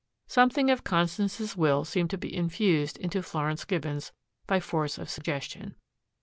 Something of Constance's will seemed to be infused into Florence Gibbons by force of suggestion.